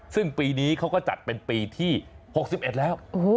ซึ่งปีนี้เขาก็จัดเป็นปีที่๖๑แล้ว